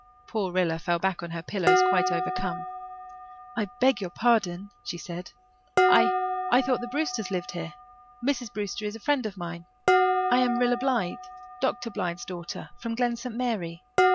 Poor Rilla fell back on her pillow, quite overcome. "I beg your pardon," she said. "I I thought the Brewsters lived here. Mrs. Brewster is a friend of mine. I am Rilla Blythe Dr. Blythe's daughter from Glen St. Mary.